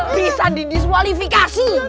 bisa di disualifikasi